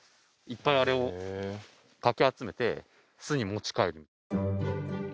いっぱいあれをかき集めて巣に持ち帰る。